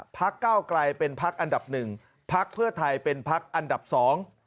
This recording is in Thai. ภักดิ์เก้ากลายเป็นภักดิ์อันดับหนึ่งภักดิ์เพื่อไทยเป็นภักดิ์อันดับสอง